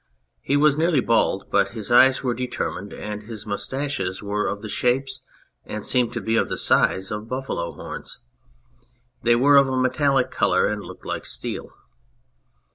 He was nearly bald, but his eyes were determined, and his moustaches were of the shape and seemed to be of the size of buffalo's horns. They were of a metallic colour and looked like steel.